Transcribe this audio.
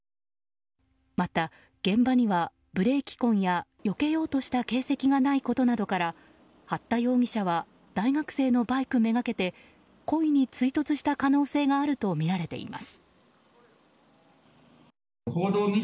また現場にはブレーキ痕やよけようとした形跡などがないことから八田容疑者は大学生のバイクめがけて故意に追突した可能性があるとみられています。